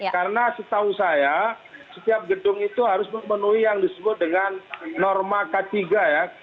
karena setahu saya setiap gedung itu harus memenuhi yang disebut dengan norma k tiga ya